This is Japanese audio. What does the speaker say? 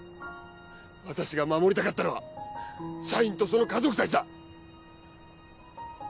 私が守りたかったのは社員とその家族たちだ。